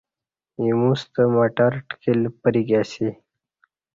اِیمُوسہ مٹر ٹکِل پریک اسی